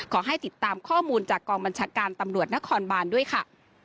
ขอให้ติดตามข้อมูลจากกองบัญชาการตำรวจนครบานด้วยค่ะ